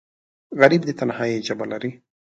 غریب د تنهایۍ ژبه لري